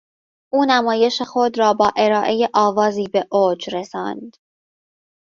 او نمایش خود را با ارائه آوازی به اوج رساند.